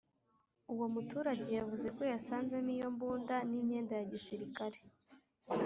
Uwo muturage yavuzeko yasanzemo iyo mbunda n’imyenda ya gisirikare